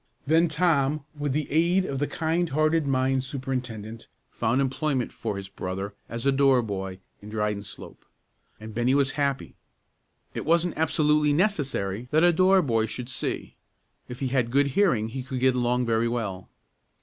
Then Tom, with the aid of the kindhearted mine superintendent, found employment for his brother as a door boy in Dryden Slope, and Bennie was happy. It wasn't absolutely necessary that a door boy should see; if he had good hearing he could get along very well.